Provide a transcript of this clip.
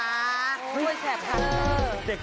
เด็กคลุมนี้เก่งมาก